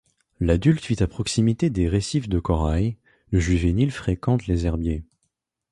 L'adulte vit à proximité des récifs de corail, le juvénile fréquente les herbiers.